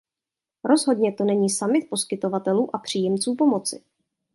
Rozhodně to není summit poskytovatelů a příjemců pomoci.